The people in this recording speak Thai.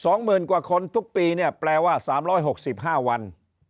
สองหมื่นกว่าคนทุกปีเนี่ยแปลว่า๓๖๕วัน